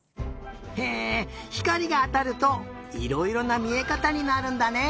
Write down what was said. へえひかりがあたるといろいろなみえかたになるんだね。